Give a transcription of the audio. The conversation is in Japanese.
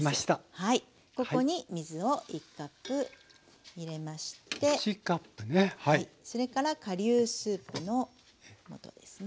はいここに水を１カップ入れましてそれから顆粒スープの素ですね。